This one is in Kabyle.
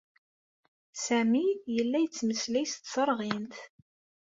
Sami yella yettmeslay s tserɣint.